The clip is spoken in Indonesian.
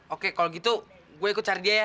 oke kalo gitu gue ikut cari dia ya